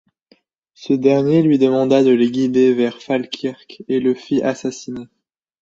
Ce dernier lui demanda de les guider vers Falkirk et le fit assassiner.